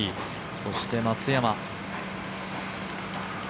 そして、松山。